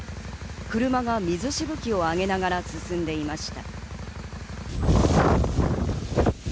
車が水しぶきをあげながら進んでいました。